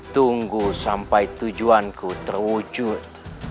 tunggu sampai tujuanku terwujud